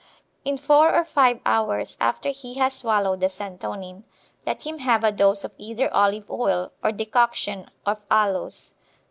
In four or five hours after he has swallowed the santonin, let him have a dose of either olive oil or decoction of aloes.